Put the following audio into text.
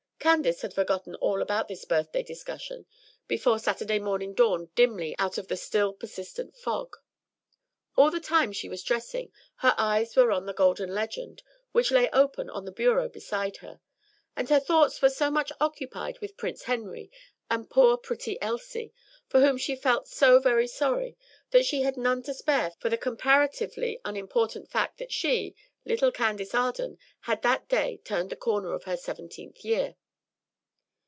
Candace had forgotten all about this birthday discussion before Saturday morning dawned dimly out of the still persistent fog. All the time she was dressing, her eyes were on "The Golden Legend" which lay open on the bureau beside her; and her thoughts were so much occupied with Prince Henry and poor pretty Elsie, for whom she felt so very sorry, that she had none to spare for the comparatively unimportant fact that she, little Candace Arden, had that day turned the corner of her seventeenth year.